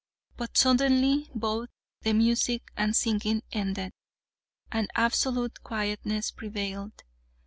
But suddenly both the music and singing ended, and absolute quietness prevailed.